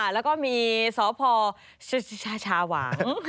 แล้วก็มีสพชาวาง